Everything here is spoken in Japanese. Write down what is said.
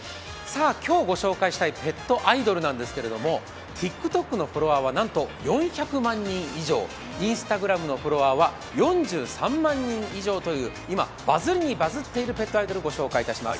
今日ご紹介したいペットアイドルなんですけれども、ＴｉｋＴｏｋのフォロワーは４００万人以上、Ｉｎｓｔａｇｒａｍのフォロワーは４３万人以上という今バズりにバズっているペットアイドルをご紹介します。